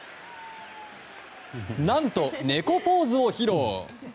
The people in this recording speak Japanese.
何と、猫ポーズを披露。